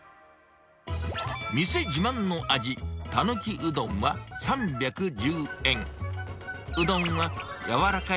店自慢の味、たぬきうどんは３１０円。